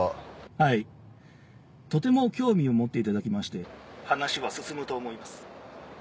はいとても興味を持っていただきまして話は進むと思います。